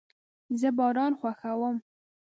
زه باران خوښوم